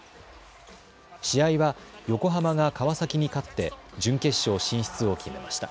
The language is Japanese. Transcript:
試合は横浜が川崎に勝って準決勝進出を決めました。